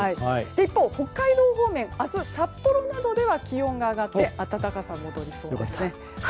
一方、北海道方面は明日、札幌などでは暖かさが戻りそうです。